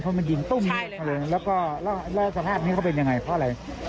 คนมันยิงตุ้มใช่เลยแล้วก็แล้วสังหารที่เขาเป็นยังไงเพราะอะไร